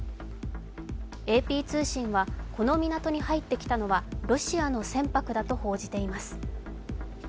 ＡＰ通信はこの港に入ってきたのはロシアの船舶だと報じています。